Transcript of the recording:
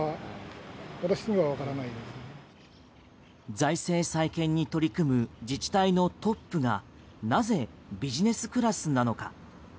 財政再建に取り組む自治体のトップがなぜビジネスクラスなのか。